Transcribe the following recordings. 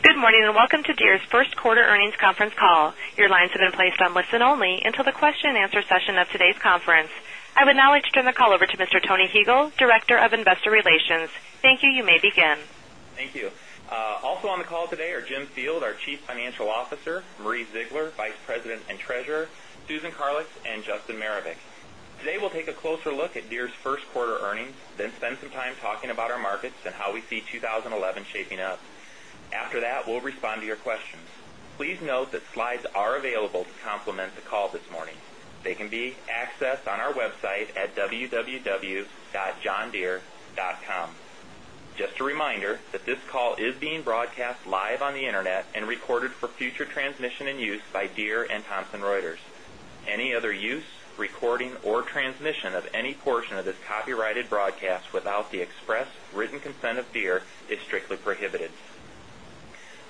Good morning, and welcome to Deere's First Quarter Earnings Conference Call. Your lines have been placed on listen only until the question and answer session of today's conference. I would now like to turn the call over to Mr. Tony Hiegal, Director of Investor Relations. Thank you. You may begin. Thank you. Also on the call today are Jim Field, our Chief Financial Officer Marie Zeigler, Vice President and Treasurer Susan Carlix and Justin Maravik. Today, we'll take a closer look at Deere's first quarter earnings, then spend spend some time talking about our markets and how we see 2011 shaping up. After that, we'll respond to your questions. Please note that slides are available to complement the call this morning. They can be accessed on our website at www.johndeere.com. Just a reminder that this call is being broadcast live on the Internet and recorded for future transmission and use by Deere and Thomson Reuters. Any other use, recording or transmission of any portion of this copyrighted broadcast without the express written of Deere is strictly prohibited.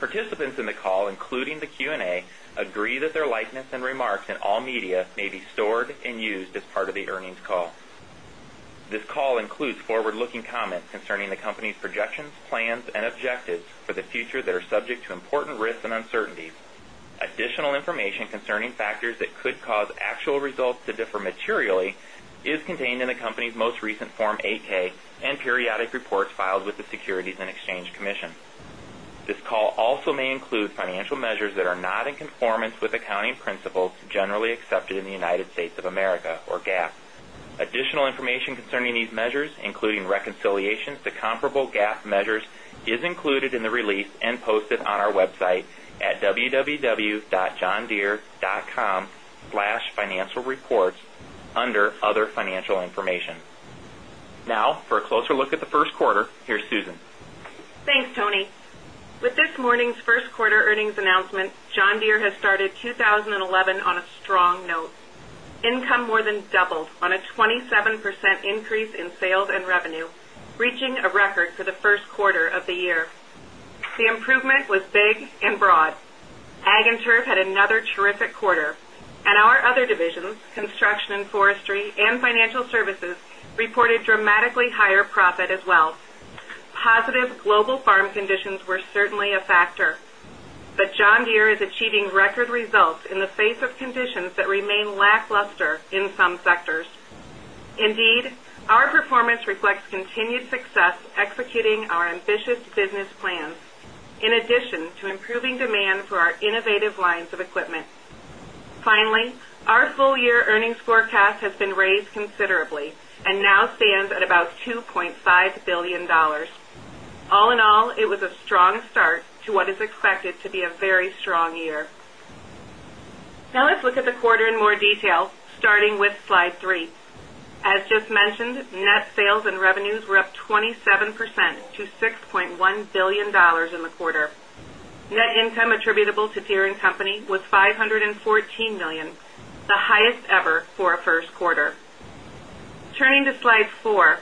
Participants in the call, including the Q and A, agree that their likeness and remarks in all media may be stored and used as part of the earnings call. This call includes forward looking comments concerning the company's projections, plans and objectives for the future that are subject to important risks and uncertainties. Additional information concerning factors that could cause actual results to differ materially is contained in the company's most recent Form 8 ks and periodic reports filed with the Securities and Exchange Commission. This call also may include financial measures that are not in conformance with accounting principles generally accepted in the United States of America or GAAP. Additional information concerning these measures, including reconciliations to comparable GAAP measures, is included in the release and posted on our website at www.johndeere.com slash financial reports under other financial information. Now for a closer look at the Q1, here's Susan. Thanks, Tony. With this morning's Q1 earnings announcement, John Deere has started The improvement was big and broad. Ag and Turf had another terrific quarter and our other divisions, Construction and Forestry and Financial Services reported dramatically higher profit as well. Positive global farm conditions were certainly a factor. But John Deere is achieving record results in the face of conditions that remain lackluster in some sectors. Indeed, our performance reflects continued Finally, our full year earnings forecast has been raised considerably and now stands at about $2,500,000,000 All in all, it was a start to what is expected to be a very strong year. Now let's look at the quarter in more detail starting with Slide 3. As just mentioned, net sales and revenues were up 27 percent to $6,100,000,000 in the quarter. Net income attributable to Thier and Company was $514,000,000 the highest ever for a Q1. Turning to Slide 4,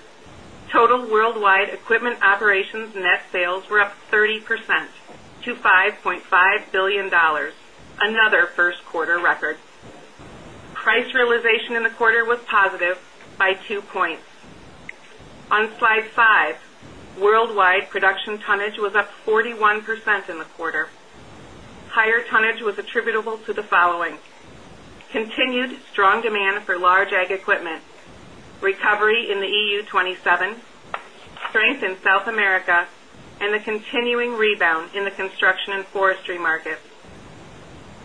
total worldwide equipment operations net sales were up 30% to $5,500,000,000 another first quarter record. Price realization in the quarter was positive by 2 points. On Slide 5, worldwide production tonnage was up 41% in the quarter. Higher tonnage was attributable to the following: continued strong demand for large ag equipment, recovery in the EU27, strength in South America and the continuing rebound in the construction and forestry markets.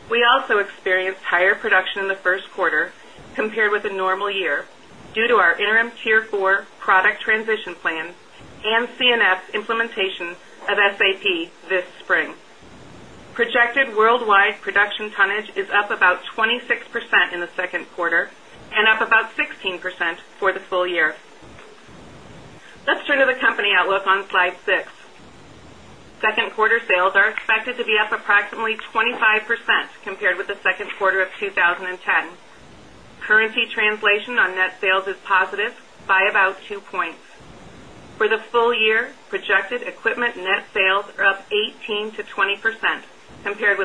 We also experienced higher production in the Q1 compared with a normal year due to our interim Tier 4 product transition plan and CNS implementation of SAP this spring. Projected worldwide production tonnage is up about 26% in the 2nd quarter and up about 16% for the full year. Let's turn to the company outlook on Slide 6. 2nd quarter sales are expected to be is percent compared with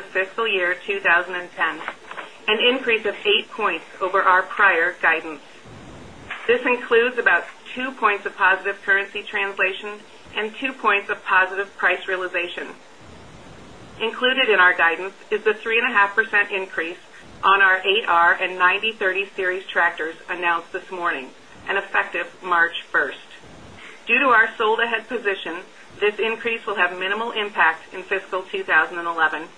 fiscal year 2010, an increase of 8 points over our prior guidance. This includes about 2 of positive currency translation and 2 points of positive price realization. Included in our guidance is the 3.5% increase on our 8R and ninety-thirty series tractors announced this morning and effective March 1. Due to our sold ahead position, this increase will have minimal impact in fiscal 2011.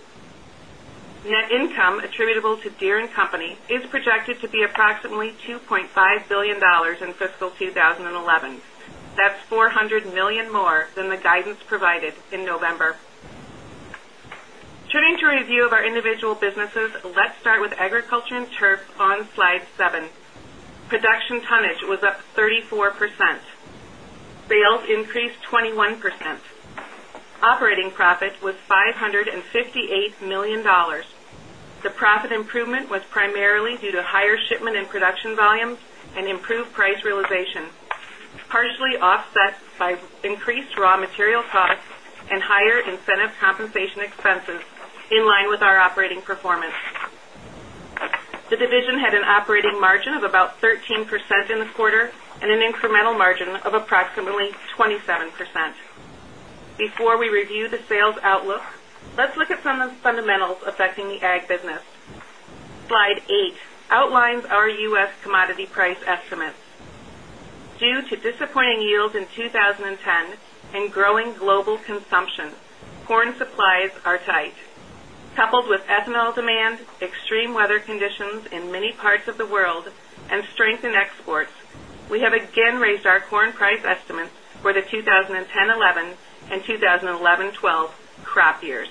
Net income attributable to Deere and Company is projected to be approximately $2,500,000,000 in fiscal 20 11. That's $400,000,000 more than more than the guidance provided in November. Turning to review of our individual businesses, let's start with agriculture and turf on Slide 7. Production tonnage was up 34%. Sales increased 21%. Operating profit was $558,000,000 The profit improvement was primarily due to higher shipment and production volumes and improved price realization, partially offset by increased raw material costs and higher incentive compensation expenses in line with our operating performance. The division had an operating margin of about 13% in the quarter and an incremental margin of approximately 27%. Before we review the sales outlook, let's look at some of the fundamentals affecting the Ag business. Slide 8 outlines our U. S. Commodity price estimates. Due to disappointing yields in 2010 and growing global consumption, corn supplies are tight. Coupled with ethanol demand, extreme weather conditions in many parts of the world and strength in exports, we have again raised our corn price estimates for the 2010, 2011 and 20 eleven-twelve crop years.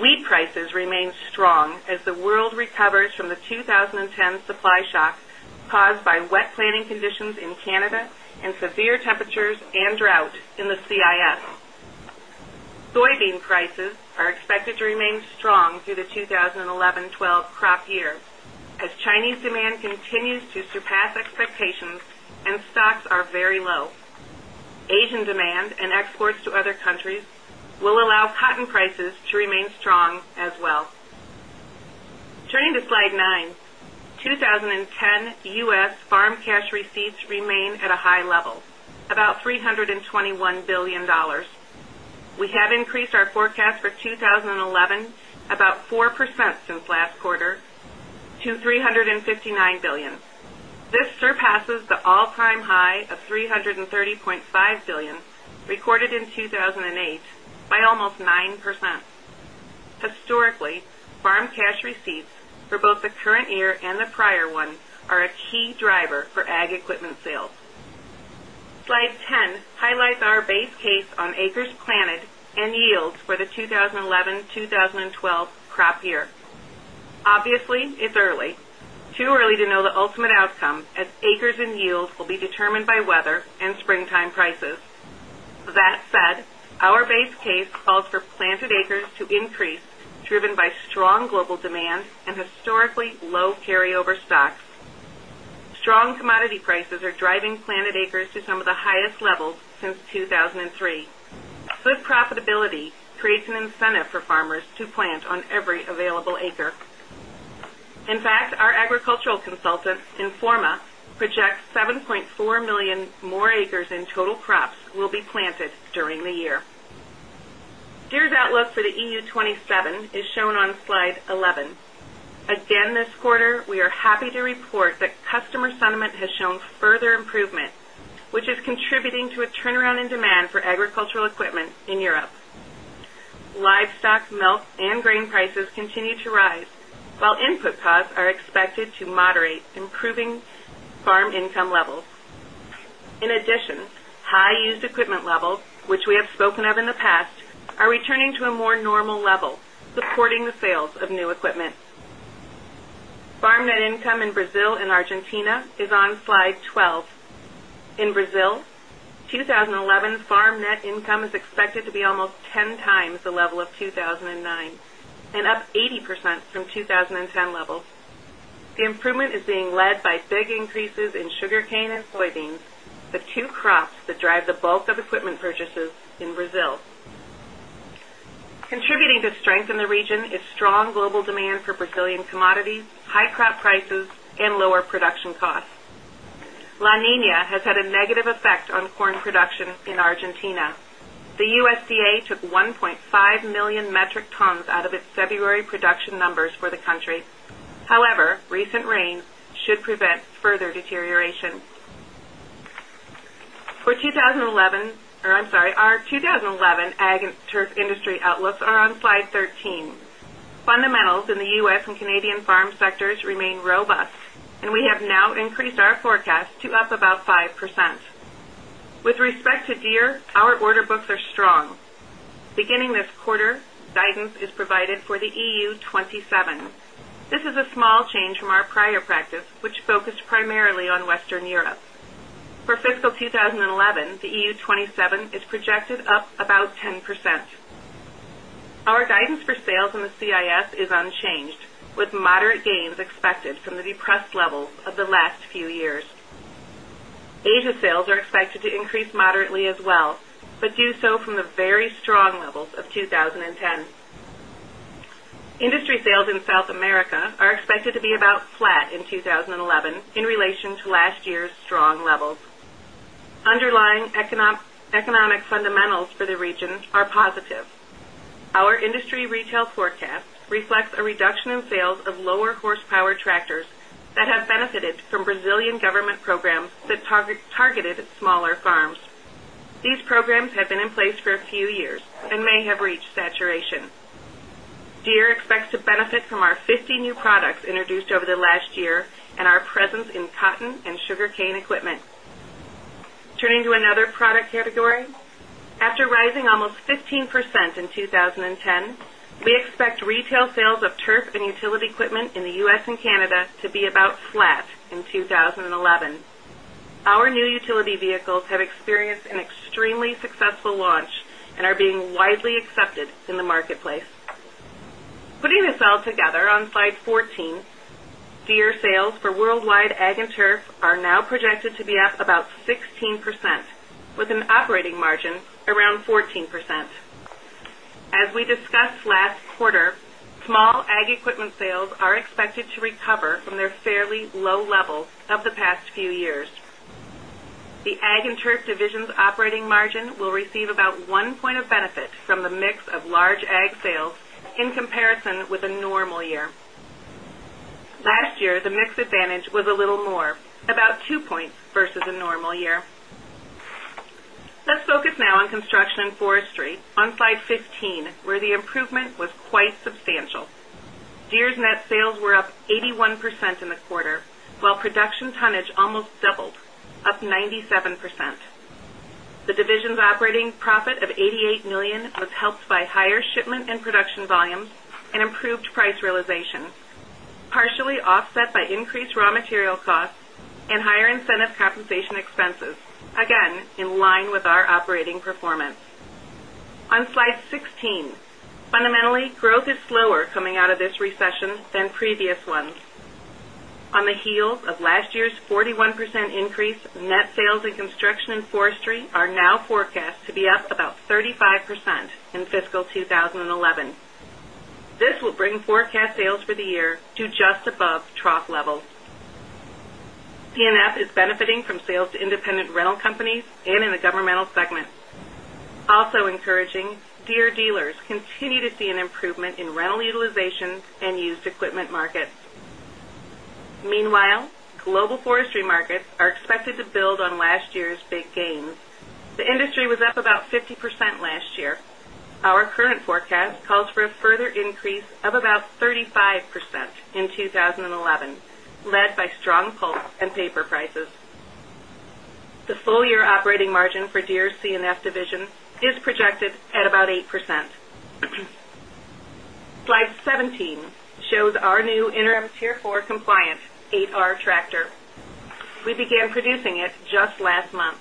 Wheat prices remain strong as the world recovers from the 2010 supply shock caused by wet planting conditions in Canada and severe temperatures and drought in the CIS. Soybean prices are expected to remain strong through the 20 11 crop year as Chinese demand continues to surpass expectations and stocks are very low. Asian demand and exports to other countries will allow cotton prices to remain strong as well. Turning to Slide 9, 2010 U. S. Farm cash receipts remain at a high level, about $321,000,000,000 We have increased our forecast for 2011 about 4% since last quarter to $359,000,000,000 This surpasses the all time high of $330,500,000,000 recorded in 2,008 by almost 9%. Historically, farm cash receipts for both the current year and the prior one are a key driver for ag equipment sales. Slide 10 highlights our base case on acres planted and yields for the 20 eleven-twenty twelve crop year. Obviously, it's early, too early to know the ultimate outcome as acres and yields will be determined by weather and springtime prices. That said, our base case calls for planted acres to increase driven by strong global demand and historically low carryover stocks. Strong commodity prices are driving planted acres to some of the highest levels since 2003. Good profitability creates an incentive for farmers to plant on every available acre. In fact, our agricultural consultant Informa projects 7,400,000 more acres in total crops will be planted during the year. Deere's outlook for the EU 27 is shown on Slide 11. Again, this quarter, we are happy to report that customer sentiment has shown further improvement, which is contributing to a turnaround in demand for agricultural equipment in Europe. Livestock, milk and grain milk and grain prices continue to rise, while input costs are expected to moderate improving farm income levels. In addition, high used equipment levels, which we have spoken of in the past, are returning to a more normal level, supporting the sales of new equipment. Farm net income in Brazil and Argentina is on Slide 12. In Brazil, 20 11 farm net income is expected to be almost 10 times the level of 2,009 and up 80% from 2010 levels. The improvement is being led by big increases in sugarcane and soybeans, the 2 crops that drive the bulk of equipment purchases in Brazil. Contributing to strength in the region is strong global demand for Brazilian commodities, high crop prices and crop prices and lower production costs. La Nina has had a negative effect on corn production in Argentina. The USDA took 1,500,000 metric tons out of its February production numbers for the country. However, recent rains should prevent further deterioration. For 2011 I'm sorry, our 2011 ag and turf industry outlooks are on Slide 13. Fundamentals the U. S. And Canadian farm sectors remain robust and we have now increased our forecast to up about 5%. With respect to Deere, our order books are strong. Beginning this quarter, guidance is provided for the EU27. This is a small change from our prior practice, which focused primarily on Western Europe. For fiscal 2011, the EU27 is projected up about 10%. Our guidance for sales in the CIS is unchanged with moderate gains expected from the depressed levels of the last few years. Asia sales are expected to increase moderately as well, but do so from the very strong levels of 2010. Industry sales in South America are expected to be about flat in 2011 in relation to last year's strong levels. Underlying economic fundamentals for the regions are positive. Our industry retail forecast reflects a reduction in sales of lower horsepower tractors that have from Brazilian government programs that targeted smaller farms. These programs have been in place for a few years and may have reached saturation. Deere expects to benefit from our 50 new products introduced over the last year and our presence in cotton and sugarcane equipment. Turning to another product category, after rising almost 15% in 2010, we expect retail sales of turf and utility equipment in the U. S. And Canada to be about flat in 2011. Our new utility vehicles have experienced an extremely launch and are being widely accepted in the marketplace. Putting this all together on Slide 14, Deere sales for worldwide ag and turf are now projected to be up about 16% with an operating margin around 14%. As we discussed last quarter, small ag equipment sales are expected to recover from their fairly low levels of the past few years. The Ag and Turf divisions operating margin will receive about one point of benefit from the mix of large ag sales in comparison with a normal year. Last year, the mix advantage was more about 2 points versus a normal year. Let's focus now on Construction and Forestry on Slide 15 where the improvement was quite substantial. Deere's net sales were up 81% in the quarter, while production tonnage almost doubled, up 97%. The division's operating profit of $88,000,000 was helped by higher shipment and production volumes and improved price realization, partially offset by increased raw material costs and higher incentive compensation expenses, again in line with our operating performance. On Slide 16, fundamentally growth is slower coming out of this recession than previous ones. On the heels of last year's 41% increase, net sales sales for the year to just above trough levels. P and F is benefiting from sales to independent rental companies and in the governmental segment. Also encouraging, Deere dealers continue to see an improvement in rental utilization and used equipment markets. Meanwhile, global forestry markets are expected to build on last year's big gains. The industry was up about 50 percent last year. Our current forecast calls for a further increase of about 35% in 2011 led by strong pulp and paper prices. The full year operating margin for Deere's C and F division is projected at about 8%. Slide 17 shows our new interim Tier 4 compliant 8R tractor. We began producing it just last month.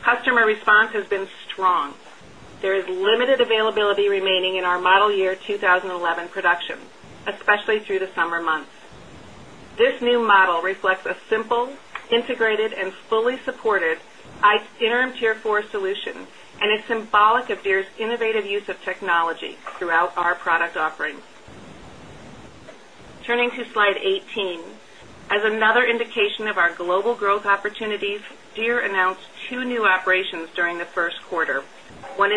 Customer response has been strong. There is limited availability remaining in our model year Interim Tier 4 solution and is symbolic of Deere's innovative use of technology throughout our product offerings. Turning to Slide 18, as another indication of our global growth opportunities, Deere announced 2 new operations during the Q1,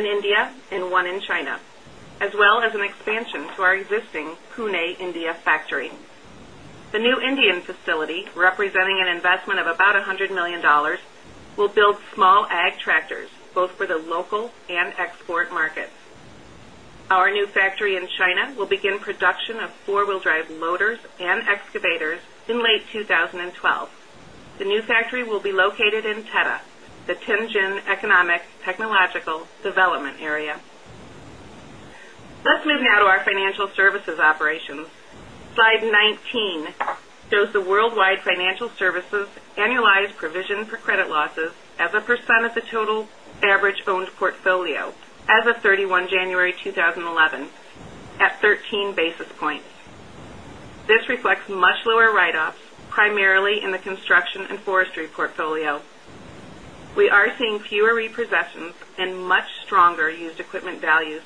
an investment of about $100,000,000 will build small ag tractors both for the local and export markets. Our new factory in China will begin production of 4 wheel drive loaders and excavators in late 2012. The new factory will be located in Teta, the Tianjin Economic, Technological Development Area. Let's move now to our financial a percent of the total average owned portfolio as of 31 January 2011 at 13 basis points. This reflects much lower write offs primarily in the construction and forestry portfolio. We are seeing fewer repossessions and much stronger used equipment values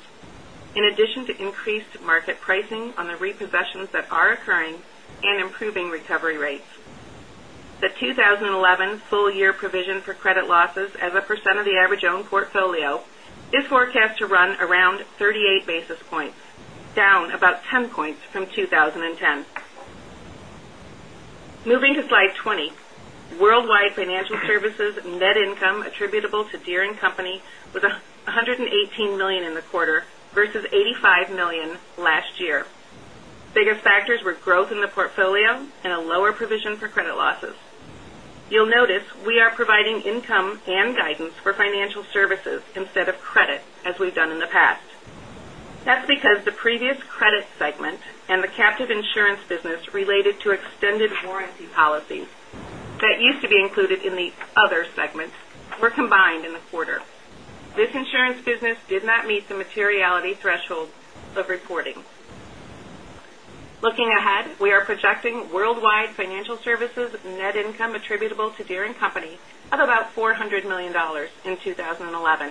in addition to increased market pricing on the repossessions that are occurring and improving recovery rates. The 2011 full year provision for credit losses as a percent of the average owned portfolio is forecast to run around 38 basis points, down about 10 points from 2010. Moving to Slide 20, worldwide financial services net income attributable to Deere and Company was $118,000,000 in the quarter versus $85,000,000 last year. Biggest factors were growth in the portfolio and a lower provision for credit losses. Because the previous credit segment and the captive insurance business related to extended warranty policies that used to be included in the other segments were combined in the quarter. This insurance business did not meet the materiality threshold of reporting. Looking ahead, we are projecting worldwide financial services net income attributable to Deere and Company of about $400,000,000 in 2011.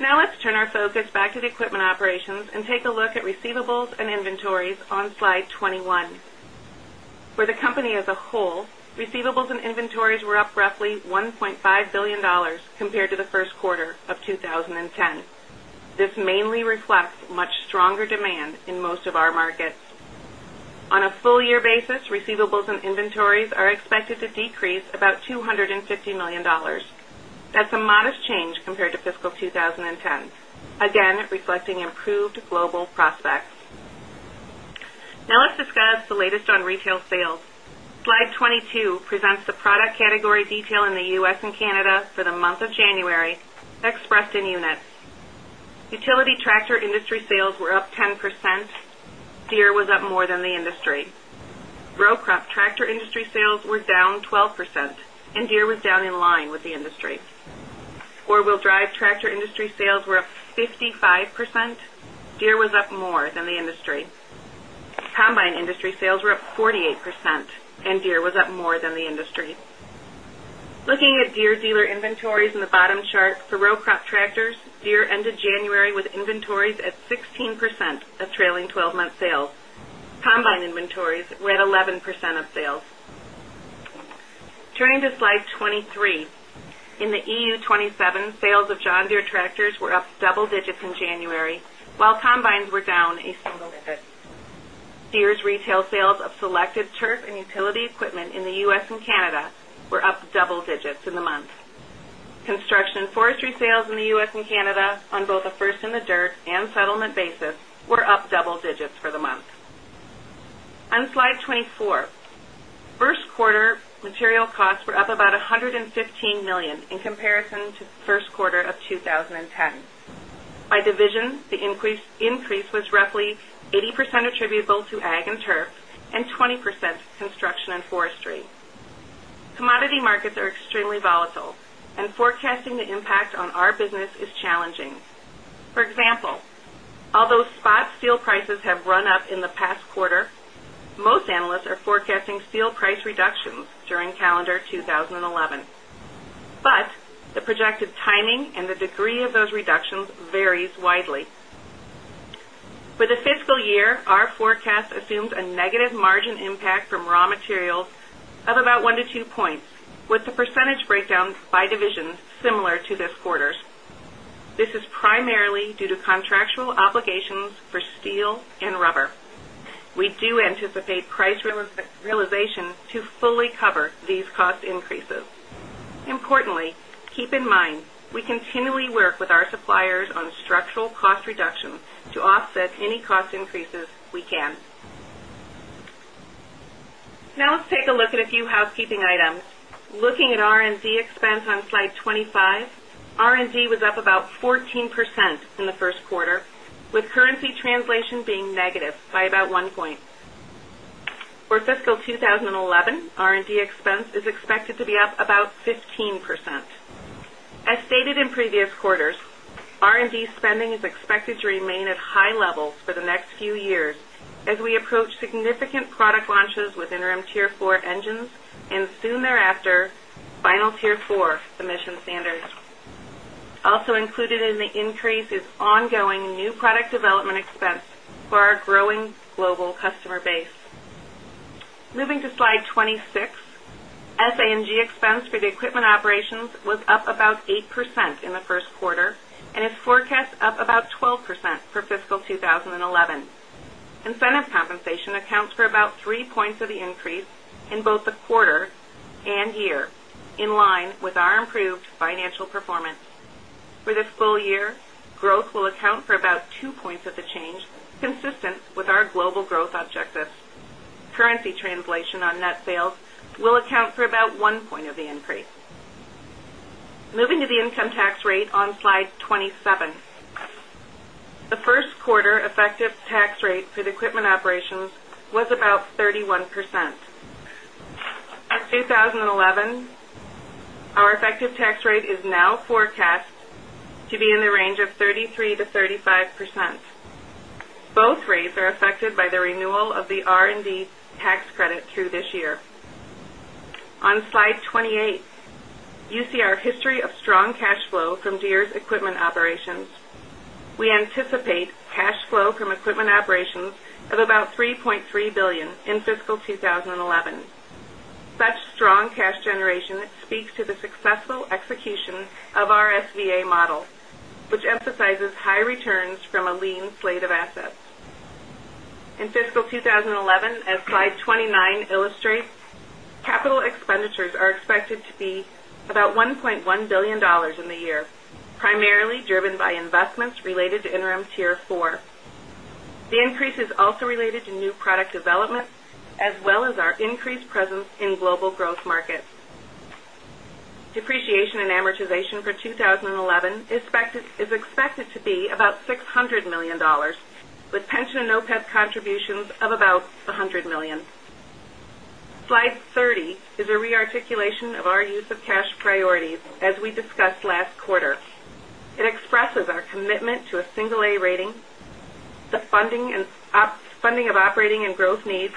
Now let's turn our focus back to the equipment operations and take a look at receivables and inventories on Slide 21. For the company as a whole, receivables and inventories were up roughly $1,500,000,000 compared to the Q1 of 2010. This mainly reflects much stronger demand in most of our markets. On a full year basis, receivables On a full year basis, receivables and inventories are expected to decrease about $250,000,000 That's a modest change compared to fiscal 2010, again reflecting improved global prospects. Now let's discuss the latest on retail sales. Slide 22 presents the product category detail in the U. S. And Canada for the month of January expressed in units. Utility tractor industry sales were up 10%, beer was up more than the industry. Row crop tractor industry sales were down 12% and beer was down in line with the industry. 4 wheel drive tractor industry sales were up 55%, Deere was up more than the industry. Combine industry sales were up 48% and Deere was up more than the industry. Looking at Deere dealer inventories in the bottom chart, tractors, Deere ended January with inventories at 16% of trailing 12 month sales. Combine inventories were at 11% of sales. Turning to Slide 23, in the EU 27, sales of John Deere tractors were up double digits in January, while combines were down a single digit. Deere's retail sales of selected turf and utility equipment in the U. S. And Canada were up double digits in the month. Construction and forestry sales in the U. S. And Canada on both the first in the dirt and settlement basis were up double digits for the month. On Slide 24, 1st quarter material costs were up about 115,000,000 comparison to Q1 of 2010. By division, the increase was roughly 80% attributable to ag and turf and 20% construction and forestry. Commodity markets are extremely volatile and forecasting the impact on our business are forecasting steel price reductions during calendar 2011, but the projected timing and the degree of those reductions varies widely. For the fiscal year, our forecast assumes a negative margin impact from raw materials of about 1 to 2 points with the percentage breakdown by division similar to this quarter's. This is primarily due to contractual obligations steel and rubber. We do anticipate price realization to fully cover these cost increases. Importantly, keep in mind, we continually work with our suppliers on structural cost reduction to offset any cost increases we can. Now let's take a look at a few housekeeping items. Looking at R and D expense on Slide 25, R and D was up about 14% in the Q1 with currency translation being negative by about 1 point. For fiscal spending is expected to remain at high levels for the next few years as we approach significant product launches with interim Tier 4 engines and soon thereafter final Tier 4 emission standards. Also included in the increase is ongoing new product development up about 8% in the Q1 and is forecast up about 12% for fiscal 2011. Incentive compensation accounts full year, growth will account for about 2 points of the change consistent with our global growth objectives. Currency translation on net sales will account for about one point of the increase. Moving to the income tax rate on Slide 27. The first quarter effective tax rate for the equipment operations was about 31%. For 2011, our effective tax rate is now forecast to be in the range of 33% to 35%. Both rates are affected by the renewal of the R and D tax credit through this year. On Slide 28, you dollars in fiscal 2011. Such strong cash generation speaks to the successful execution of our SVA model, which emphasizes high returns from a lean slate of assets. In fiscal 2011, as Slide 29 illustrates, capital expenditures are expected to be about $1,100,000,000 in the year, primarily driven by investments related to interim Tier 4. The increase is also related to new product development as well as our increased presence in global growth markets. Depreciation and amortization for 2011 is expected to be about $600,000,000 with pension and OPES contributions of about $100,000,000 Slide 30 is a rearticulation of our use of cash priorities as we discussed last quarter. It expresses our commitment to a single A rating, the funding of operating and growth needs,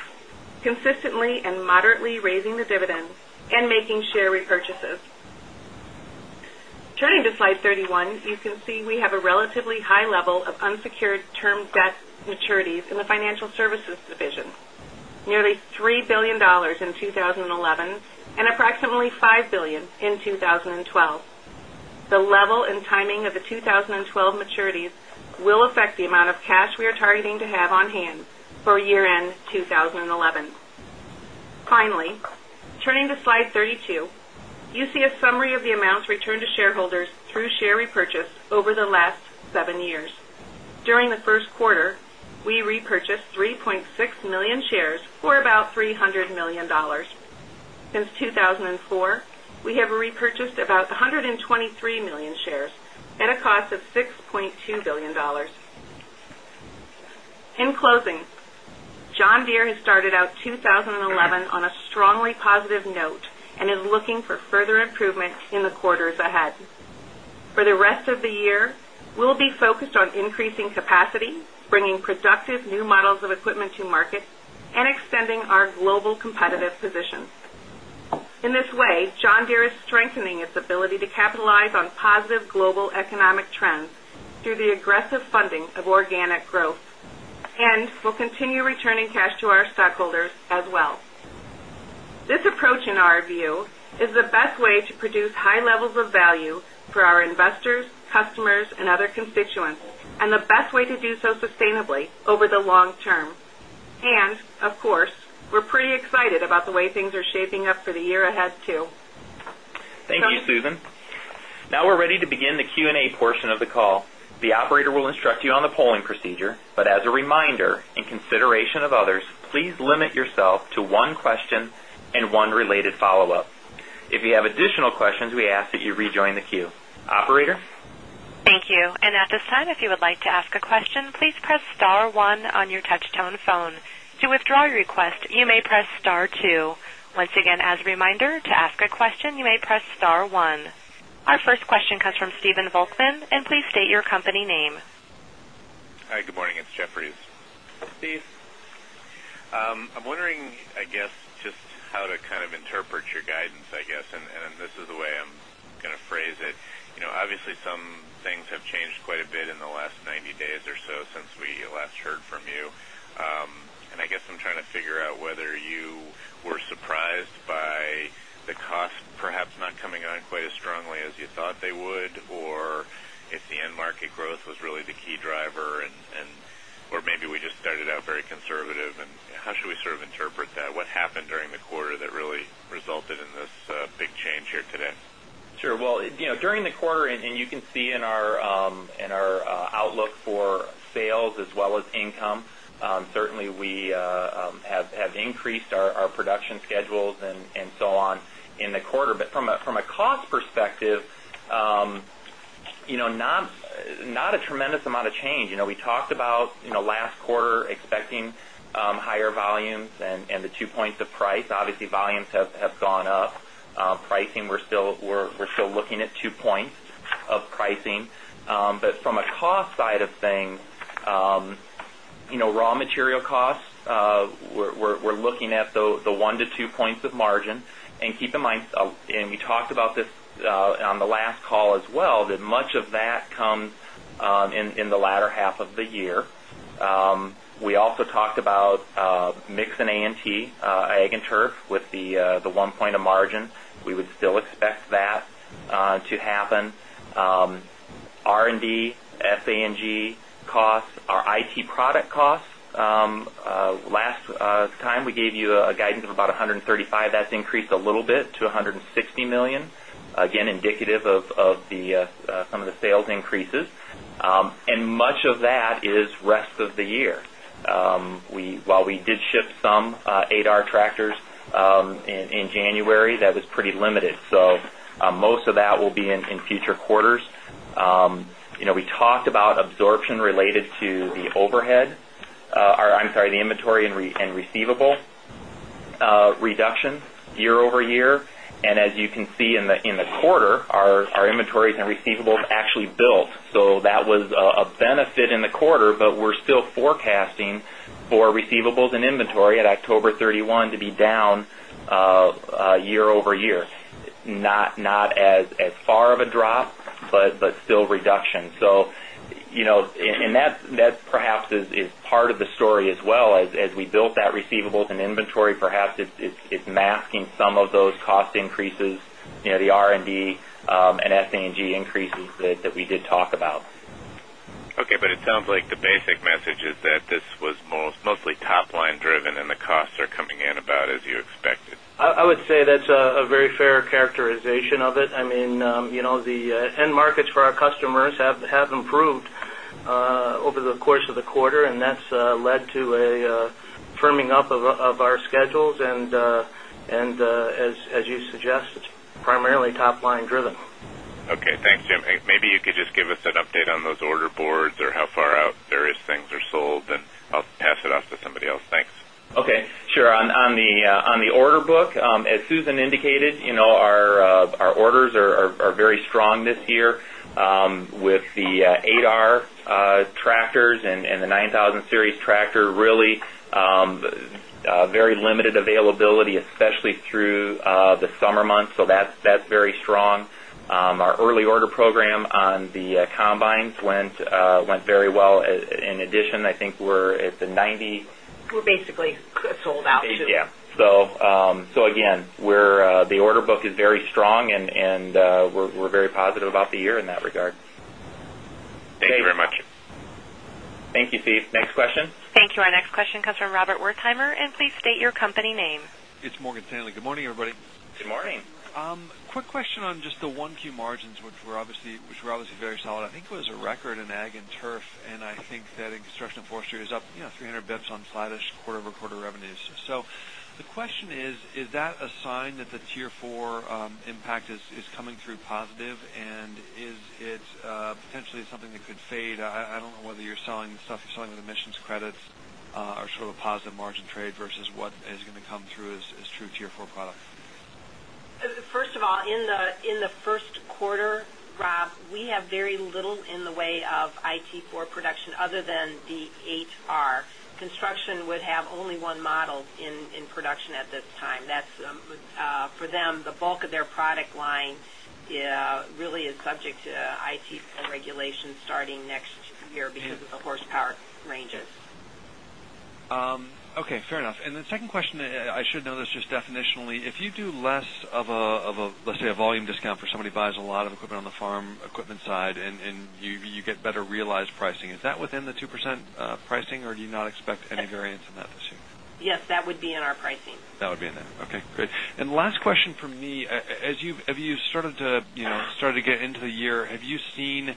consistently and moderately raising the dividend and making share repurchases. Turning to Slide 31, you can see we have a relatively high level of unsecured term debt maturities in the Financial Services division, nearly $3,000,000,000 in 20 11 and approximately $5,000,000,000 in 20 12. The level and and timing of the 2012 maturities will affect the amount of cash we are targeting to have on hand for year end turning to Slide 32, you see a summary of the amounts returned to shareholders through share repurchase over the last 7 years. During the Q1, we repurchased 3,600,000 shares for repurchased about 123,000,000 shares at a cost of $6,200,000,000 In closing, John Deere has started out 2011 on a strongly positive note and is looking for further improvement in the quarters ahead. For the rest of the year, we'll be focused on increasing capacity, bringing productive new models of equipment to market and extending our global competitive position. In this way, John Deere is strengthening its ability to capitalize on positive global economic trends through the aggressive funding of organic growth and we'll continue returning cash to our stockholders as well. This approach in our view is the best way to produce high levels of value for our investors, customers and other constituents and the best way to do so sustainably over the long term. And of course, we're pretty excited about the way things are shaping up for the year ahead too. Thank you, Susan. Now we're ready to begin the Q and A portion of the call. The operator will instruct you on the polling procedure, but as a reminder, in that you rejoin the queue. Operator? Thank Our first question comes from Steven Volkmann. Hi, good morning. It's Jefferies. Hi, Steve. I'm wondering, I guess, just how to kind of interpret your guidance, I guess, and this is the way I'm going to phrase it. Obviously, some things have changed quite a bit in the last 90 days or so since we last heard from you. And I guess I'm trying to figure out whether you were surprised by the cost perhaps not coming on quite as strongly as you thought they would or if the end market growth was really the key driver and or maybe we just started out very conservative and how should we sort of interpret that? What happened during the quarter that really resulted in this big change here today? Sure. Well, during the quarter and you can see in our outlook for sales as well as income, Certainly, we have increased our production schedules and so on in the quarter. But from a cost perspective, not a tremendous amount of change. We talked about last quarter expecting higher volumes and the two points of price. Obviously, volumes have gone up. Pricing, we're still looking at 2 points of pricing. But from a cost side of things, raw material costs, we're looking at the 1 to 2 points of margin. And keep in mind, and we talked about this on the last call as well that much of that comes in the latter half of the year. We also talked about mix in A and T, Ag and Turf with the one point of margin, we would still expect that to happen. R and D, SA and G costs, our IT product costs, last time we gave you a guidance of about $135,000,000 that's increased a little bit to $160,000,000 again indicative of the some of the sales increases. And much of that is rest of the year. While we did ship some in January, that was pretty limited. So most of that will be in future quarters. We talked about absorption related to the overhead I'm sorry, the inventory and receivable reductions year over year. And as you can see in the quarter, our inventories and receivables actually built. So that was a benefit in the quarter, but we're still forecasting reduction. So and that perhaps is part of the story as well as we build that receivables and inventory perhaps it's masking some of those cost increases, the R and D and SG and A increases that we did talk about. Okay. But it sounds like the basic message is that this was mostly top line driven and the costs are coming in about as you expected? I would say that's a very fair characterization of it. I mean, the end markets for our customers have improved over the course of the quarter and that's led to a firming up of our schedules and as you suggest, primarily top line driven. Okay. Thanks, Jim. Maybe you could just give us an update on those order boards or how far out various things are sold and I'll pass it off to somebody else. Thanks. Okay. Sure. On the order book, as Susan indicated, our orders are very strong this year with the 8R tractors and the 9,000 series tractor really very limited availability, especially through the summer months, so that's very strong. Our early order program on the combines went very well. In addition, I we're at the 90%. We're basically sold out. Yes. So again, we're the order book is very strong and we're very positive about the year in that regard. Thank you very much. Thank you, Steve. Next question? Thank you. Our next question comes from Robert Wertheimer. Please state your company name. It's Morgan Stanley. Good morning, everybody. Good morning. Good morning. Quick question on just the 1Q margins, which were obviously very solid. I think it was a record in Ag and Turf and I think that Construction and Forestry is up 300 bps on flattish quarter over quarter revenues. So the question is, is that a sign that the Tier IV impact is coming through positive? And is it potentially something that could fade? I don't know whether you're selling stuff selling the emissions credits or sort of positive margin trade versus what is going to come through as true Tier 4 product? First of all, in the quarter, Rob, we have very little in the way of IT4 production other than the 8R. Construction would have only one model in production at this time. That's for them, the bulk of their product line really is subject to IT regulations starting next year because of the horsepower ranges. Okay, fair enough. And then second question, I should know this definitionally. If you do less of a, let's say, a volume discount for somebody buys a lot of equipment on the farm equipment side and you get better realized pricing, is that within the 2% pricing or do you not expect any variance in that this year? Yes, that would be in our pricing. That would be in there. Okay, great. And last question for me, as you've started start to get into the year, have you seen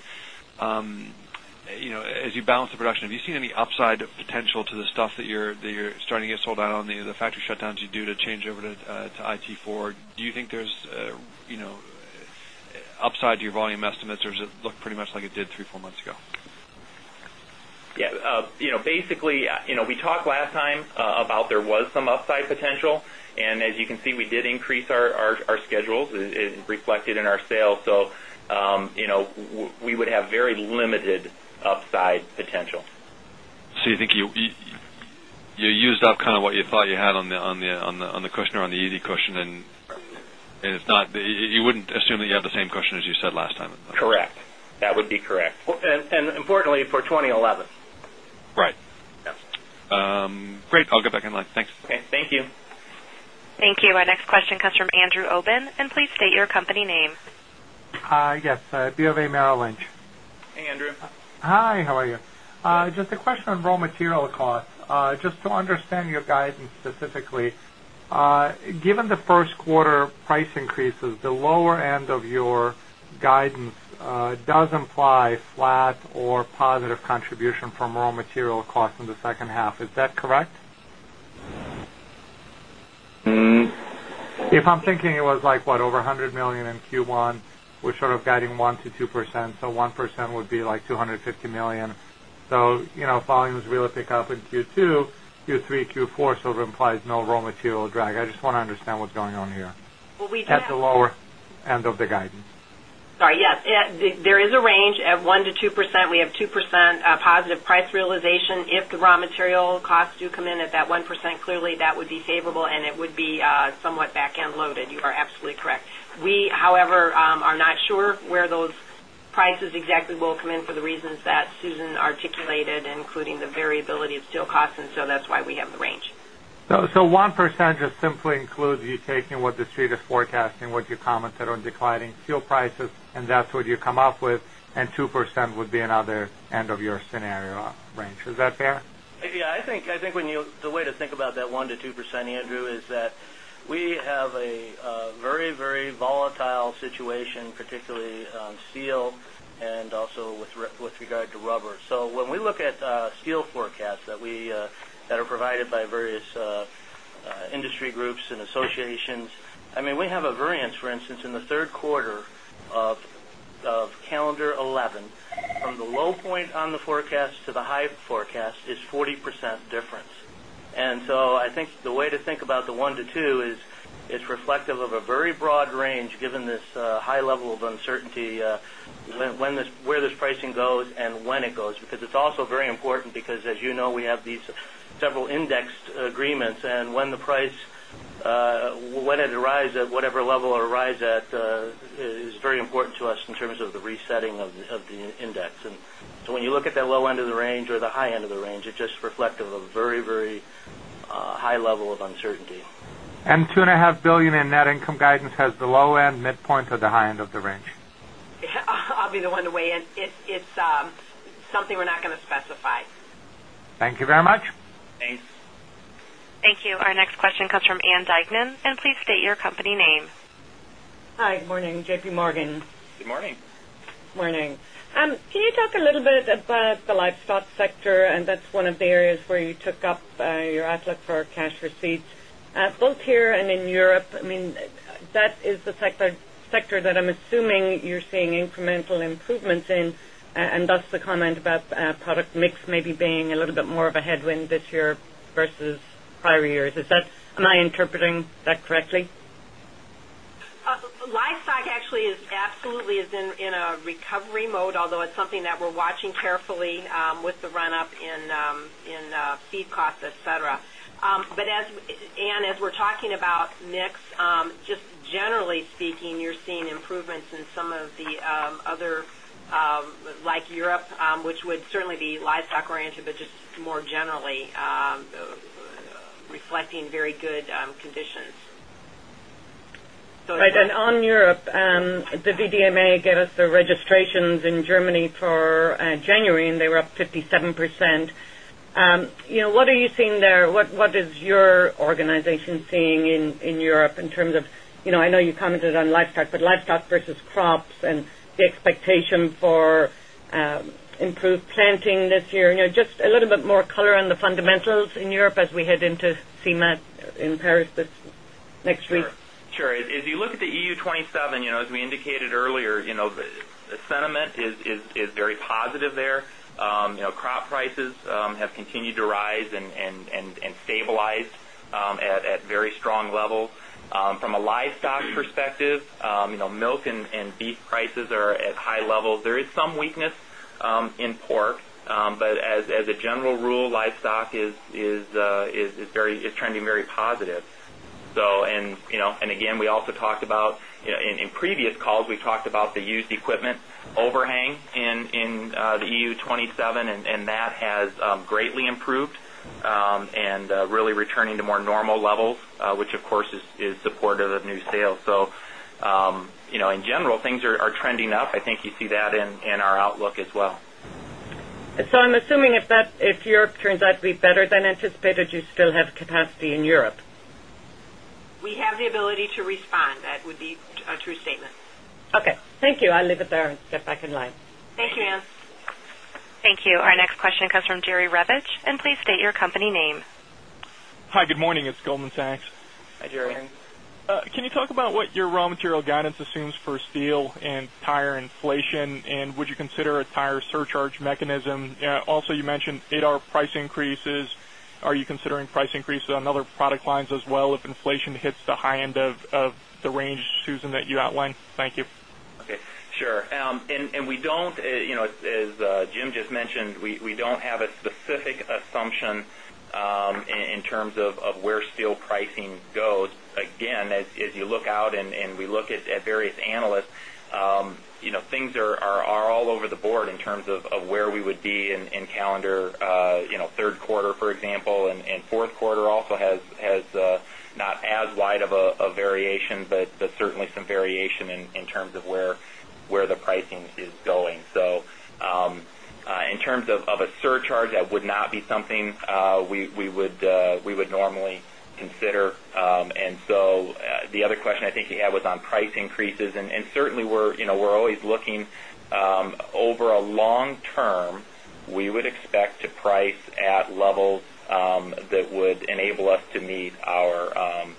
as you balance the production, have you seen any upside potential to the stuff that you're starting to sold out on the factory shutdowns you do to change over to IT4? Do you think there's upside to your volume estimates or does it look pretty much like it did 3, 4 months ago? Yes. Basically, we talked last time about there was some upside potential and as you can see we did increase our schedules as reflected in our sales. So, we would have very limited upside potential. So you think you used up kind of what you thought you had on the cushion or on the easy cushion and if not, you wouldn't assume that you have the same question as you said last time? Correct. That would be correct. And importantly for 2011. Right. Great. I'll get back in line. Thanks. Okay. Thank you. Thank you. Our next question comes from Andrew Obin. And please state your company name. Yes. BofA Merrill Lynch. Hi, Andrew. Hi, how are you? Just a question on raw material costs. Just to understand your guidance specifically, given the Q1 price increases, the lower end of your guidance does imply flat or positive contribution from raw material costs in the second half. Is that correct? If I'm thinking it was like what over $100,000,000 in Q1, we're sort of guiding 1% to 2%, so 1% would be like 250,000,000 dollars So volumes really pick up in Q2, Q3, Q4 sort of implies no raw material drag. I just want to understand what's going on here at the lower end of the guidance? Yes, there is a range at 1% to 2%. We have 2% positive price realization. If the raw material costs do come in at that 1%, clearly that would be favorable and it would be somewhat back end loaded. You are absolutely correct. We, however, are not sure where those prices exactly will come in for the reasons that Susan articulated, including the variability of steel costs. And so that's why we have the range. So 1% just simply includes you taking what the Street is forecasting what you commented on declining fuel prices and that's what you come up with and 2% would be another end of your scenario range. Is that fair? Yes. I think when you the way to think about that 1% to 2%, Andrew is that we have a very, very volatile situation particularly on steel and also with regard mean, we have a variance for instance in the Q3 of calendar 'eleven from the low point on the forecast to the high forecast is 40% difference. And so, I think the way to think about the 1% to 2% is reflective of a very broad range given this high level of of uncertainty when this where this pricing goes and when it goes, because it's also very important because as you know, we have these several indexed agreements and when the price when it arrives at whatever level it arrives at is very important to us in terms of the resetting of the index. And so when you look at that low end of the range or the high end of the range, it just reflects a very, very high level of uncertainty. And $2,500,000,000 in net income guidance has the low end, midpoint or the high end of the range? I'll be the one to weigh in. It's something we're not going to specify. Thank you very much. Thanks. Thank you. Our next question comes from Ann Duignan. And please state your company name. Hi, good morning, JPMorgan. Good morning. Good morning. Can you talk a little bit about the livestock sector and that's one of the areas where you took up your outlook for cash receipts both here and in Europe. I mean, that is the sector that I'm assuming you're seeing incremental improvements in and that's the comment about product mix maybe being a little bit more of a headwind this year versus prior years. Is that am I interpreting that correctly? Livestock actually is absolutely is in a recovery mode, although it's something that we're watching carefully with the run up in feed costs, etcetera. But as Ann, as we're talking about mix, just generally speaking, you're seeing improvements in some of the other like Europe, which would certainly be livestock oriented, but just more generally reflecting very good conditions. Right. And on Europe, the BDMA gave us the registrations in Germany for January and they were up 57%. What are you seeing there? What is your organization seeing in Europe in terms of I know you commented on livestock, but livestock versus crops and the expectation for improved planting this year. Just a little bit more color on the fundamentals in Europe as we head into CMAT in Paris this next week? Sure. As you look at the EU 27, as we indicated earlier, the sentiment is very positive there. Rise and stabilized at very strong levels. From a livestock perspective, milk and beef prices are at high levels. There is some weakness in pork, but as a general rule, livestock is very it's trending very equipment over hang in the EU 27 and that has greatly improved and really returning to more normal levels, which of course is supportive of new sales. So in general, things are trending up. I think you see that in our outlook as well. So I'm assuming if that if Europe turns out to be better than anticipated, you still have capacity in Europe? We have the ability to respond. That would be a true statement. Okay. Thank you. I'll leave it there and get back in line. Thank you, Ann. Thank you. Our next question comes from Jerry Revich. And please state your company name. Hi, good morning. It's Goldman Sachs. Hi, Jerry. Can you talk about what your raw material guidance assumes for steel and tire inflation? And would you consider a tire surcharge mechanism? Also you mentioned 8 hour price increases. Are you considering price increases on other product lines as well if inflation hits the high end of the range, Susan, that you outlined? Thank you. Okay. Sure. And we don't as Jim just mentioned, we don't have a specific assumption in terms of where steel pricing goes. Again, as you look out and we look at various analysts, things are all over the board in terms of where we would be in calendar, Q3, for example, and Q4 also has not as wide of a variation, but certainly some variation in terms of where the pricing is going. So in terms of a surcharge, that would not be something we would normally consider. And so the other question I think he had was on price increases and certainly we're always looking over a long term, we would expect to price at levels that would enable us to meet our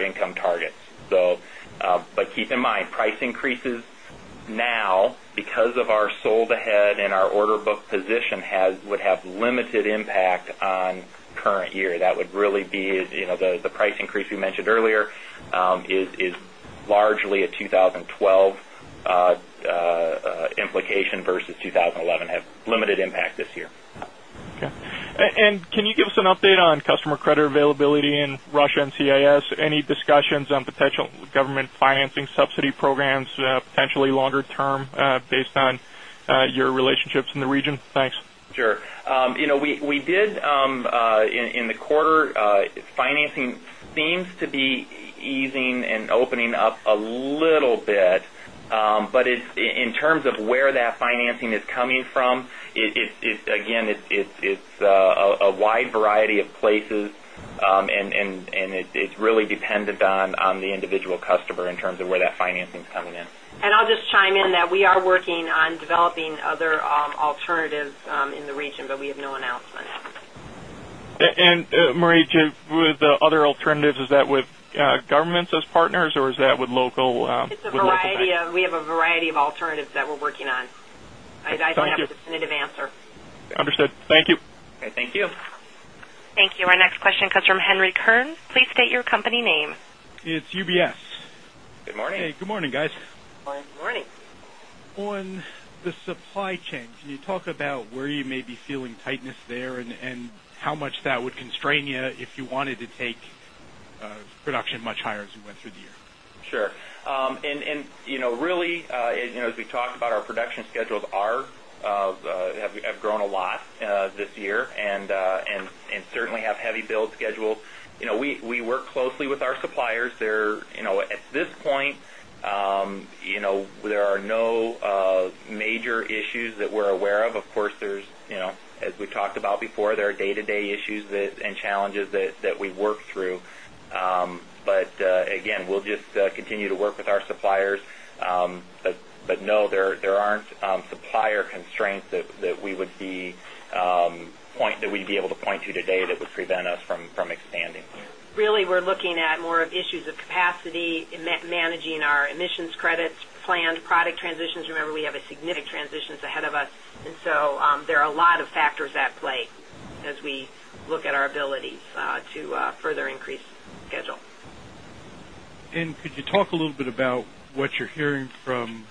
income targets. So but keep in mind, price increases now because of our sold ahead and our order book position would have limited impact on current year. That would really be the price increase we mentioned earlier is largely a 2012 implication versus 2011, have limited impact this year. Okay. And can you give us an update on customer credit availability in Russia and CIS? Any discussions on potential government financing subsidy programs, region? Thanks. Sure. We did in the quarter financing seems to be easing and opening up a little bit, but in terms of where that financing is coming from, it's again, it's a wide variety of places and it's really dependent on the individual customer in terms of where that financing is coming in. And I'll just chime in that we are working on developing other alternatives in the region, but we have no announcement. And Marie, with the other alternatives, is that with governments as partners or is that with local? We have a variety of alternatives that we're working on. I don't have a definitive answer. Thank you. Our next question comes from Henry Kearns. Please state your company name. It's UBS. Good morning. Hey, good morning guys. Good morning. Good morning. On the supply chain, can you talk about where you may be feeling tightness there and how much that would constrain you if you wanted to take production much higher as you went through the year? Sure. And really as we talked about our production schedules are have grown a lot this year and certainly have heavy build schedule. We work closely with our suppliers. At this point, there are no major issues that we're aware of. Of course, is as we've talked about before, there are day to day issues and challenges that we work through. But we'll just continue to work with our suppliers. But no, there aren't supplier constraints that we would be able to point to today that would prevent us from expanding. Really, we're looking at more of issues of capacity, managing our emissions credits, planned product transitions. Remember, we have a significant transitions ahead of us. And so there are a lot of factors at play as we look at our abilities to further increase schedule. And could you talk a little bit about what you're hearing from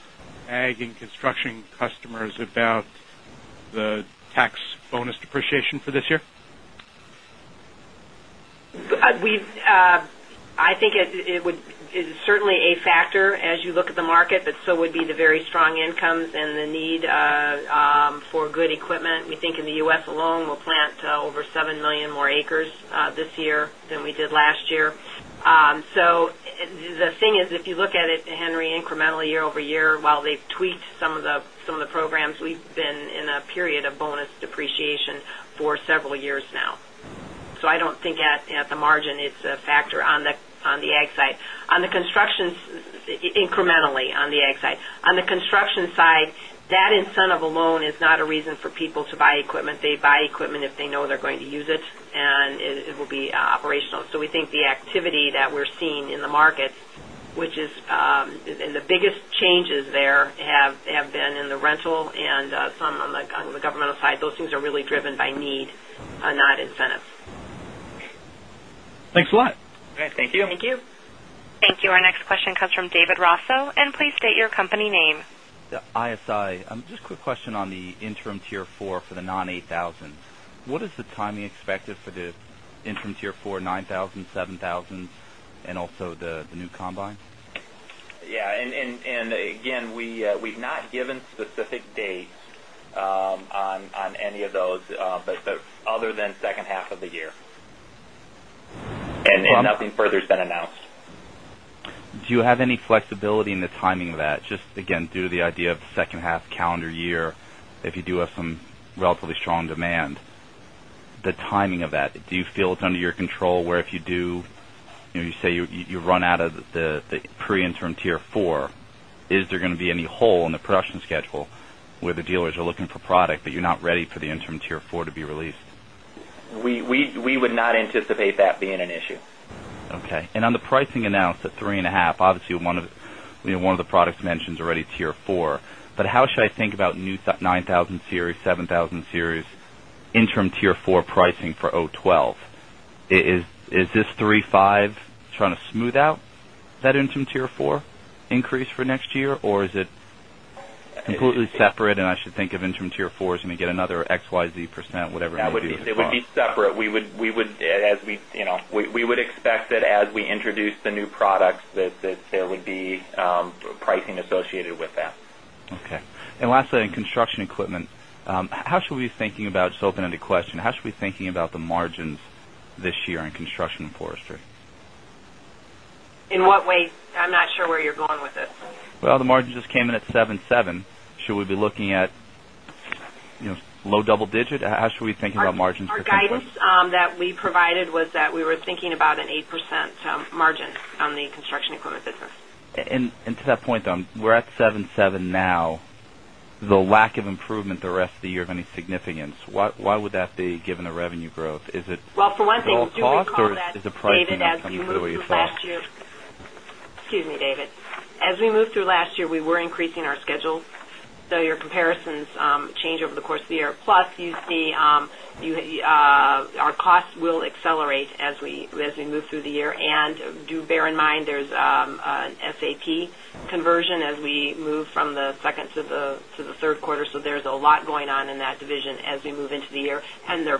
ag and construction customers about the tax bonus depreciation for this year? We've I think it would it's certainly a factor as you look at the market, but so would be the very strong incomes and the need for good equipment. We think in the U. S. Alone, we'll plant over 7,000,000 more acres this year than we did last year. So the thing is, if you look at it, Henry, incrementally year over year, while they've tweaked some of the programs, we've been in a period of bonus depreciation for several years now. So I don't think at the incrementally on the Ag side. On the construction side, that incentive alone is not a reason for people to buy equipment. They buy equipment if they know they're going to use it and it will be operational. So we think the activity that we're seeing in the market, which is and the biggest changes there have been in the rental and some on the governmental side. Those things are really driven by need, not incentives. Thanks a lot. All right. Thank you. Thank you. Thank you. Our next question comes from David Raso. And please state your company name. ISI. Just a quick question on the interim Tier 4 for the non-8000s. What is the timing expected for the interim Tier 4 9000, 7000 and also the new combine? Yes. And again, we've not given specific dates on any of those, but other than second half of the year. And nothing further has been announced. Do you have any flexibility in the timing of that? Just again due to the idea of second half calendar year, if you do have some relatively strong demand, the timing of that, do you feel it's under your control where if you do, you say you run out of the pre interim Tier 4, is there going to be any hole in the production schedule where the dealers are looking for product, but you're not ready for the interim Tier 4 to be released? We would not anticipate that being an issue. Okay. And on the pricing announced at 3.5, obviously, one of the products mentioned is already Tier 4, But how should I think about new 9000 Series, 7000 Series interim Tier 4 pricing for 2012? Is this 35 trying to smooth out that interim Tier 4 increase for next year or is it completely separate and I should think of interim Tier 4 as we get another XYZ percent whatever that would be. It would be separate. We would expect that as we introduce the new products that there would be pricing associated with that. Okay. And lastly, in Construction Equipment, how should we be thinking about just opening the question, how should we be thinking about the margins this year in Construction and Forestry? In what way? I'm not sure where you're going with it. Well, the margin just came in at 7.7%. Should we be looking at low double digit? How should we think about margins for the quarter? The guidance that we provided was that we were thinking about an 8% margin on the Construction Equipment business. And to that point, we're at 7.7% now. The lack of improvement the rest of the year of any significance, why would that be given the revenue growth? Is it all possible to do is it David as you move through last year excuse me, David. As we move through last year, we were increasing our schedules. So your comparisons change over the course of the year, plus you see our costs will accelerate as we move through the year. And do bear in mind, there's an SAP conversion as we move from the second to the Q3. So there's a lot going on in that division as we move into the year. And their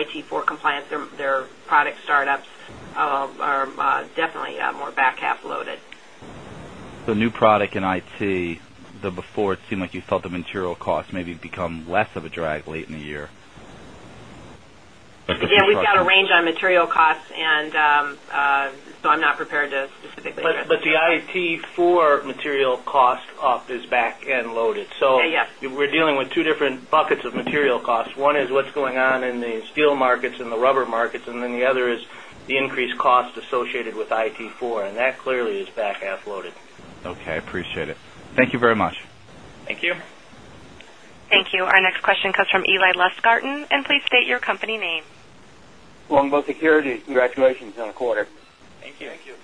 IT for compliance, their product startups are definitely more back half loaded. The new product in IT, the before it seemed like you felt the material costs may become less of a drag late in the year? Yes, we've got a range on material costs and so I'm not prepared to specifically But the IT4 material cost of this back end loaded. So we're dealing with 2 different buckets of material costs. One is what's going on in the steel markets and the rubber markets and then the other is the increased cost associated with IT4 and that clearly is back Our next question comes from Eli Lusgarten. Longbow Securities, congratulations on the quarter. Thank you. Thank you.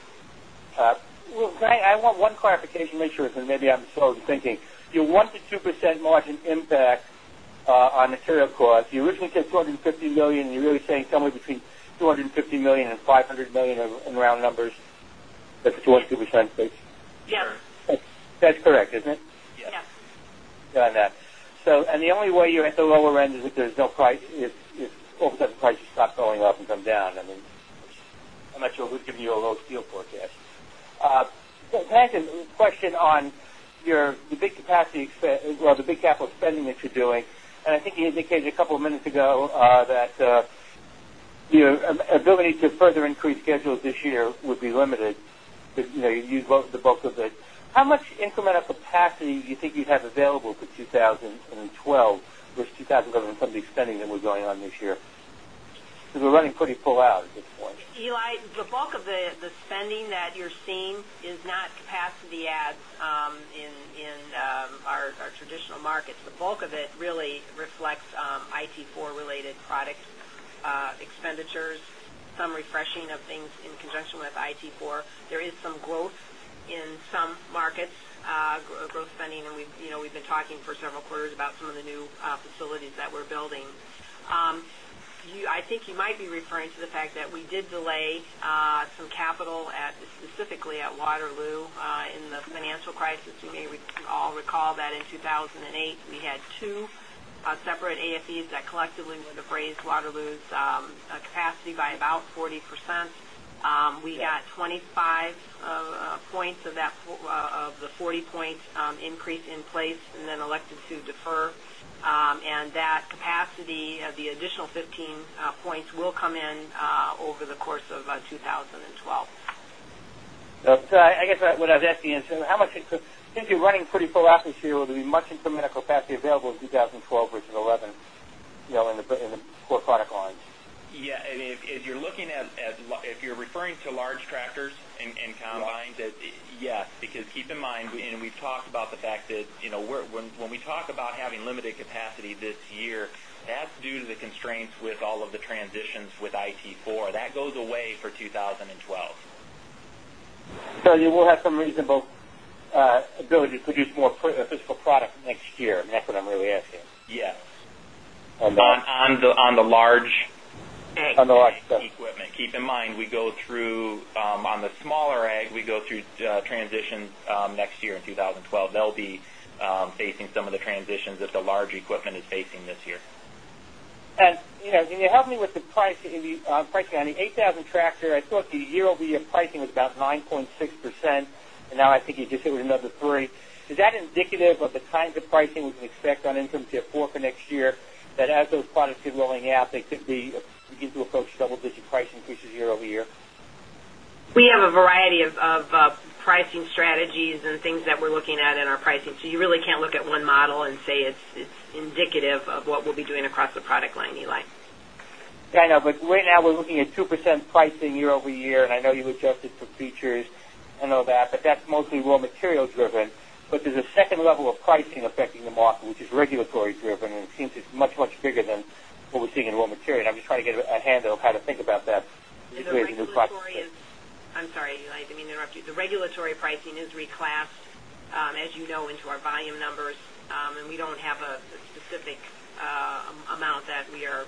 Well, I want one clarification to make sure that maybe I'm slow to thinking. Your 1% to 2% margin impact on material costs, you originally said $250,000,000 You're really saying somewhere between $250,000,000 $500,000,000 in round numbers at the 22% pace? Yes. That's correct, isn't it? Yes. Got that. So and the only way you're at the lower end is if there's no price is all of a sudden prices stop going up and come down. I mean, I'm not sure who's giving you a low steel forecast. So, Pat, a question on your big capacity well, the big capital spending that you're doing. And I think you indicated a couple of minutes ago that your ability to further increase schedules this year would be limited, but you use both the bulk of it. How much incremental capacity do you think you'd have available for 2012 versus 2011 from the spending that we're going on this year? Because we're running pretty full out at this point. Eli, the bulk of the product expenditures, some refreshing of things in product expenditures, some refreshing of things in conjunction with IT4. There is some growth in some markets, growth spending, and we've been talking for several quarters about some of the new facilities that we're building. I think you might be referring to the fact that we did delay some capital at specifically at Waterloo in the financial crisis. You may all recall that in 2000 and 8, we had 2 separate AFEs that collectively were to raise Waterloo's capacity by about 40%. We got 20 5 points of that of the 40 point increase in place and then elected to defer. And that capacity of the additional 15 points will come in over the course of 2012. So I guess what I would ask the answer, how much since you're running pretty full out this year, will there be much incremental capacity available in 2012 versus 2011 in the core product lines? Yes. And if you're looking at if you're referring to large tractors and combines, yes, because keep in mind, and we've talked about the fact that when we talk about having limited capacity this year, that's due to the constraints with all of the transitions with IT4. That goes away for 2012. So you will have some reasonable ability to produce more physical product next year, and that's what I'm really asking? Yes. On the large equipment, keep in mind, we go through on the smaller ag, we go through transitions next year in 2012. They'll be facing some of the transitions that the large equipment is facing this year. And can you help me with the pricing on the 8,000 tractor, I thought the year over year pricing was about 9.6% and now I think you just hit with another 3%. Is that indicative of the times of pricing we can expect on income Tier 4 for next year that as those products keep rolling out they could be into a post double digit price increases year over year? We have a variety of pricing strategies and things that we're looking at in our pricing. So you really can't look at one model and say it's indicative of what we'll be doing across the product line, Eli. Yes, I know. But right now, we're looking at 2% pricing year over year and I know you adjusted for features and all that, but that's mostly raw material driven. But there's a second level of pricing affecting the market, which is regulatory driven. And it seems it's much, much bigger than what we're seeing in raw material. And I'm just trying to get a handle on how to think about that. The regulatory is I'm sorry, I didn't mean to interrupt you. The regulatory pricing is reclassed as you know into our volume numbers and we don't have a specific amount that we are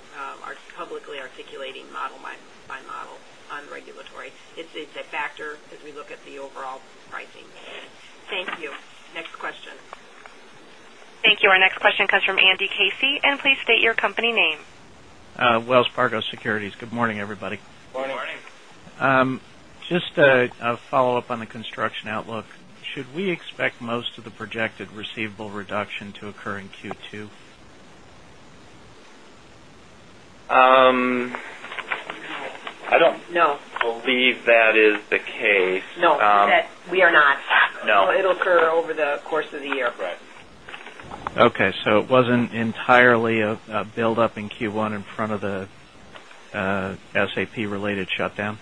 publicly articulating model by model on regulatory. It's a factor as we look at the overall pricing. Thank you. Next question. Thank you. Our next question comes from Andy Casey. And please state your company name. Wells Fargo Securities. Good morning, everybody. Good morning. Just a follow-up on the construction outlook. Should we expect most of the projected receivable reduction to occur in Q2? I don't believe that is the case. No, we are not. No. It will occur over the course of the year. Right. Okay. So it wasn't entirely a buildup in Q1 in front of the SAP related shutdown?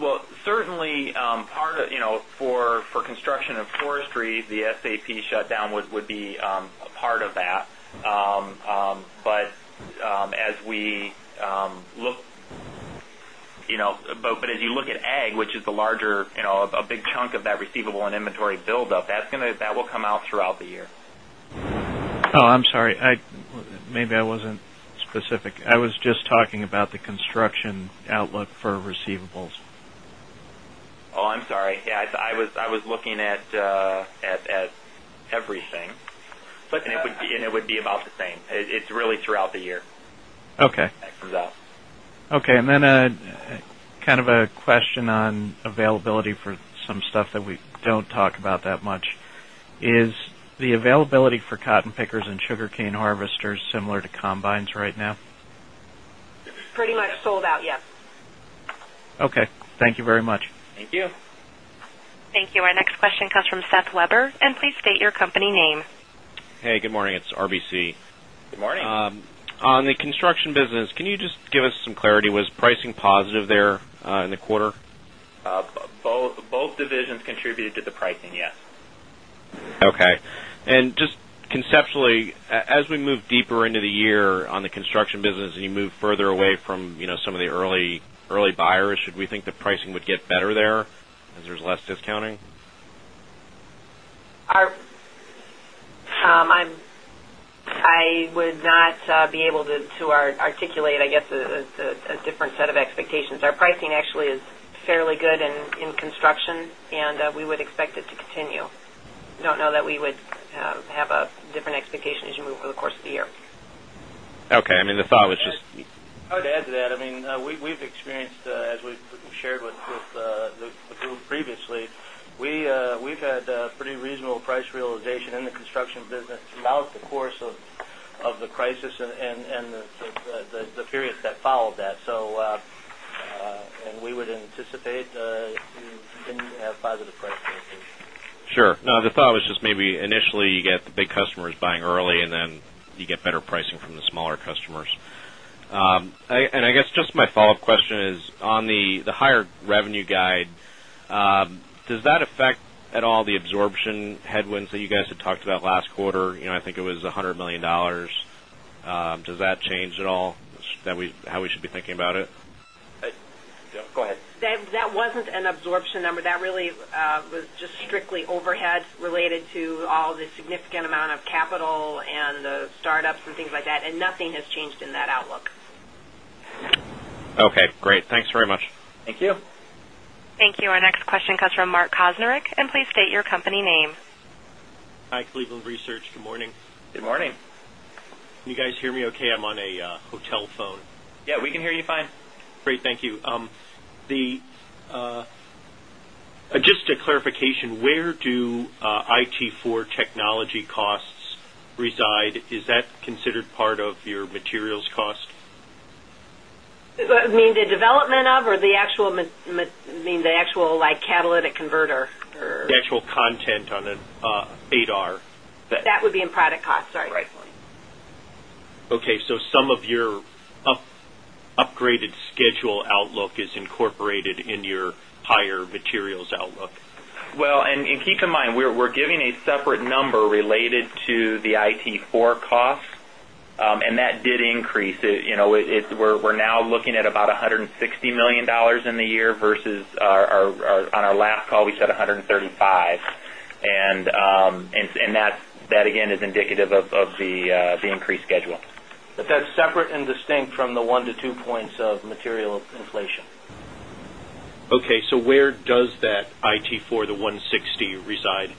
Well, certainly, part for Construction and Forestry, the SAP shutdown would be a part of that. But as we look but as you look at ag, which is a larger a big chunk of that receivable and inventory buildup, that's going to that will come out throughout the year. I'm sorry. Maybe I wasn't specific. I was just talking about the construction outlook for receivables. I'm sorry. Yes, I was looking at everything. And it would be about the same. It's really throughout the year. Okay. That comes up. Okay. And then a question on availability for some stuff that we don't talk about that much. Is the availability for cotton pickers and sugarcane harvesters similar to combines right now? Pretty much sold out, yes. Okay. Thank you very much. Thank you. Thank you. Our next question comes from Seth Weber. And please state your company name. Hey, good morning. It's RBC. Good morning. On the construction business, can you just give us some clarity, was pricing positive there in the quarter? Both divisions contributed to the pricing, yes. And just conceptually, as we move deeper into the year on the construction business and you move further away from some of the early buyers, should we think the pricing would get better there as there's less discounting? I would not be able to articulate, I guess, a different set of expectations. Our pricing actually is fairly good in construction and we would expect it to continue. Don't know that we would have a different expectation as you move over the course of the year. Okay. Mean the thought was just I would add to that. I mean we've experienced as we've shared with the group previously, we've had reasonable price realization in the construction business throughout the course of the crisis and the periods that followed that. So, and we would anticipate to have positive price increases. Sure. Now, the thought was just maybe initially you get the big customers buying early and then you get better pricing from the smaller customers. And I guess just my follow-up question is on the higher revenue guide, does that affect at all the absorption headwinds that you guys had talked about last quarter? I think it was $100,000,000 Does that change at all how we should be thinking about it? Go ahead. That wasn't an absorption number. That really was just strictly overhead related to all the significant amount of capital and the startups and things like that and nothing has changed in that outlook. Okay, great. Thanks very much. Thank you. Thank you. Our next question comes from Mark Kocnerich. And please state your company name. Hi, Cleveland Research. Good morning. Good morning. Can you guys hear me okay? I'm on a hotel phone. Yes, we can hear you fine. Great. Thank you. Just a clarification, where do IT for technology costs reside? Is that considered part of your materials cost? I mean the development of or the actual mean the actual like catalytic converter or The actual content on the ADAR. That would be in product cost, right. Right. Okay. So some of your upgraded schedule outlook is incorporated in your higher materials outlook? Well, and keep in mind, we're giving a separate number related to the IT4 costs, and that did increase. We're now looking at about $160,000,000 in the year versus our on our last call, we said $135,000,000 and that again is indicative of the increased schedule. But that's separate and distinct from the one to two points of material inflation. Okay. So where does that IT for the 160 reside?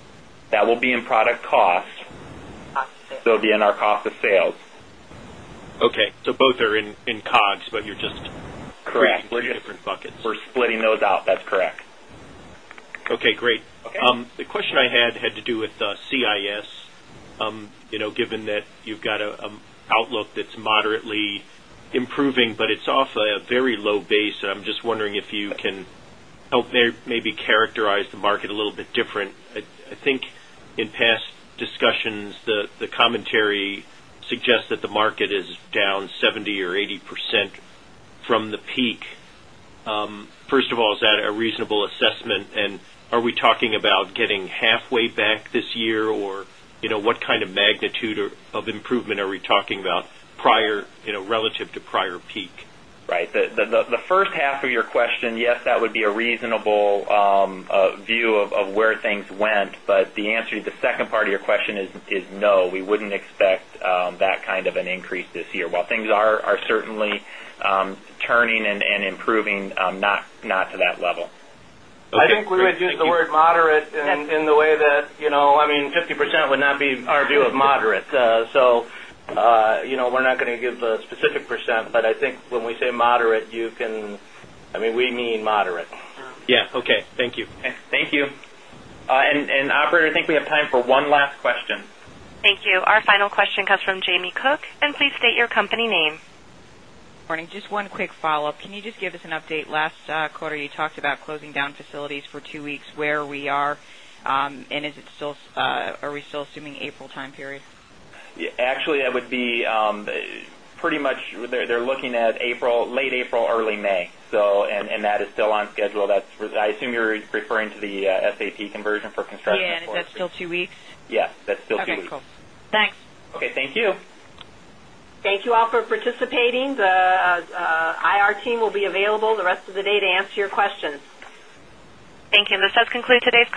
That will be in product cost. They'll be in our cost of sales. Okay. So both are in COGS, but you're just split different buckets? Correct. We're splitting those out. That's correct. Okay, great. The question I had had to do with CIS. Given that you've got an outlook that's moderately improving, but it's off a very low base. I'm just wondering if you can help maybe characterize the market a little bit different. I think in past discussions, the commentary suggests that the market is down 70% or 80% from the peak. First of all, is that a reasonable assessment? And are we talking about getting halfway back this year? Or what kind of magnitude of improvement are we talking about prior relative to prior peak? Right. The first half of your question is no, we wouldn't expect that kind of an increase this year. While things are certainly turning and improving, not to that level. I think we would use the word moderate in the way that I mean 50% would not be our view of moderate. So, we're not going to give a specific percent, but I think when we say moderate, you can I mean, we mean moderate? Yes. Okay. Thank you. Thank you. And operator, I think we have time for one last question. Thank you. Our final question comes from Jamie Cook. And please state your company name. Good morning. Just one quick follow-up. Can you give us an update? Last quarter you talked about closing down facilities for 2 weeks, where we are? And is it still are we still assuming April time period? Actually that would be pretty much they're looking at April late April early May. So and that is still on schedule. That's I assume you're referring to the SAP conversion for construction. Yes. And is that still 2 weeks? Yes. That's still 2 weeks. Okay. Thanks. Okay. Thank you. Thank you all for participating. The IR team will be available the rest of the day to answer your questions. Thank you. This does conclude today's